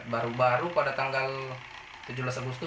baru baru pada tanggal tujuh belas agustus